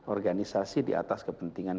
organisasi di atas kepentingan